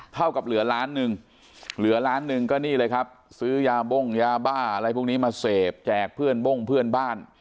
เท่ากับเหลือล้านหนึ่งเหลือล้านหนึ่งก็นี่เลยครับซื้อยาบ้งยาบ้าอะไรพวกนี้มาเสพแจกเพื่อนบ้งเพื่อนบ้าน